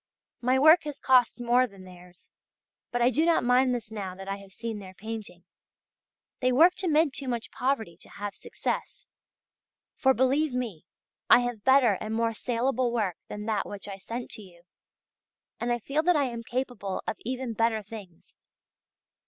My work has cost more than theirs; but I do not mind this now that I have seen their painting; they worked amid too much poverty to have success; for, believe me, I have better and more saleable work than that which I sent to you, and I feel that I am capable of even better things.